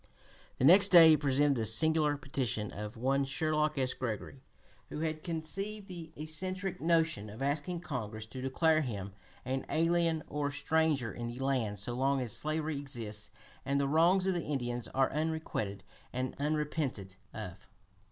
The next day he presented the singular petition of one Sherlock S. Gregory, who had conceived the eccentric notion of asking Congress to declare him "an alien or stranger in the land so long as slavery exists and the wrongs of the Indians are unrequited and unrepented of."